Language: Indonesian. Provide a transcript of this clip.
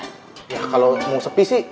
ya kalau mau sepi sih